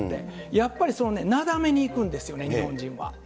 やっぱりなだめに行くんですよね、日本人は。